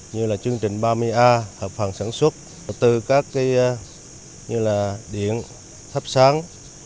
như là chương trình ba mươi a hợp phần sản xuất đầu tư các điện thấp sáng